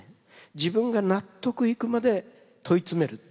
自分が納得いくまで問い詰める。